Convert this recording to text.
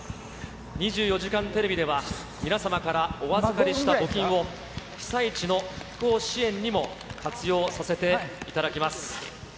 ２４時間テレビでは、皆様からお預かりした募金を、被災地の復興支援にも活用させていただきます。